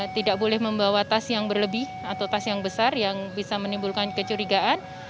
tidak boleh membawa tas yang berlebih atau tas yang besar yang bisa menimbulkan kecurigaan